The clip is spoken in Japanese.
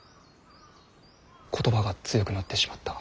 言葉が強くなってしまった。